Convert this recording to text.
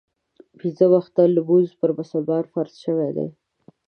پنځه وخته لمونځ پر مسلمانانو فرض شوی دی.